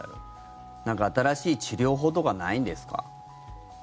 何か新しい治療法とかないんですか？